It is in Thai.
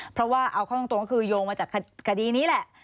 เพราะว่าเอาเข้าตรงก็คือโยงมาจากคดีนี้แหละ